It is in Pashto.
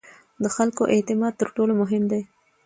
د خلکو اعتماد تر ټولو مهم دی